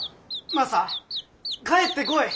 マサ帰ってこい！